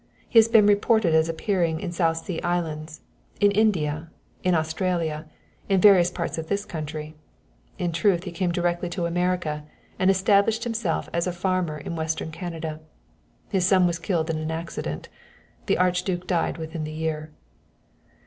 He has been reported as appearing in the South Sea Islands, in India, in Australia, in various parts of this country. In truth he came directly to America and established himself as a farmer in western Canada. His son was killed in an accident; the Archduke died within the year."